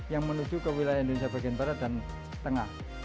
yang menuju ke wilayah indonesia bagian barat dan tengah